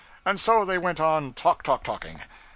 And so they went on talk talk talking.